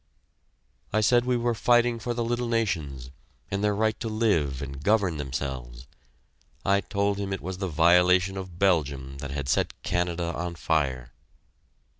I said we were fighting for the little nations and their right to live and govern themselves. I told him it was the violation of Belgium that had set Canada on fire.